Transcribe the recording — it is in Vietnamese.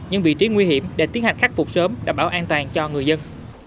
những vị trí nguy hiểm để tiến hành khắc phục sớm đảm bảo an toàn cho người dân